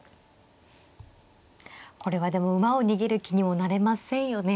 これはでも馬を逃げる気にもなれませんよね。